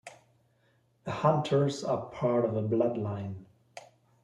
The Hunters are part of a bloodline.